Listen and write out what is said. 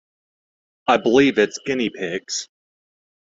I believe it's guinea-pigs.